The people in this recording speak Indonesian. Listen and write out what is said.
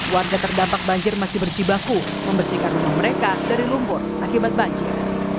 warga terdampak banjir masih berjibaku membersihkan rumah mereka dari lumpur akibat banjir